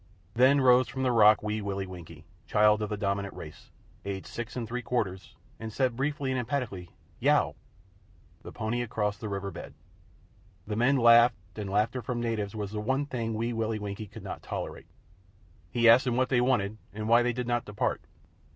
Then rose from the rock Wee Willie Winkie, child of the Dominant Race, aged six and three quarters, and said briefly and emphatically "Jao!" The pony had crossed the river bed. The men laughed, and laughter from natives was the one thing Wee Willie Winkie could not tolerate. He asked them what they wanted and why they did not depart.